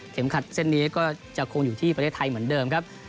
ขัดเส้นนี้ก็จะคงอยู่ที่ประเทศไทยเหมือนเดิมครับ